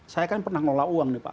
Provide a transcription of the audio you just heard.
saya kan pernah ngelola uang nih pak